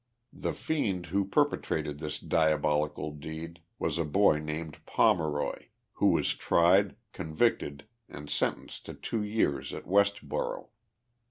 The fiend, who perpetrated this diabolical deed, was a boy named Pomeroy, who was tried, convicted and sentenced to two years at Westboro.